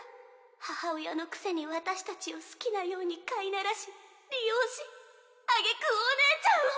母親のくせに私たちを好きなように飼い慣らし利用し挙句お姉ちゃんを！